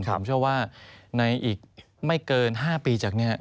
ผมเชื่อว่าในอีกไม่เกิน๕ปีจากนี้